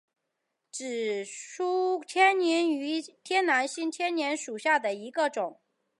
紫柄千年芋为天南星科千年芋属下的一个种。